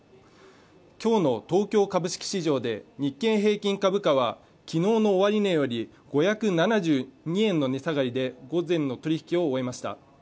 きょうの東京株式市場で日経平均株価はきのうの終値より５７２円の値下がりで午前の取引を終えました